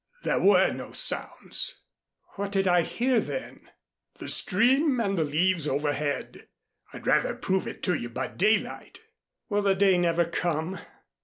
There were no sounds." "What did I hear then?" "The stream and the leaves overhead. I'd rather prove it to you by daylight." "Will the day never come?"